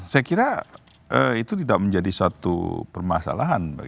saya kira itu tidak menjadi suatu permasalahan